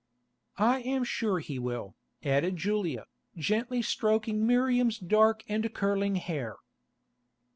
"I am sure He will," added Julia, gently stroking Miriam's dark and curling hair.